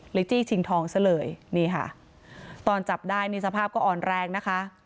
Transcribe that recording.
จี้ชิงทองซะเลยนี่ค่ะตอนจับได้นี่สภาพก็อ่อนแรงนะคะ